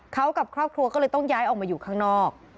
เขากับครอบครัวก็เลยต้องย้ายออกมาอยู่ข้างนอก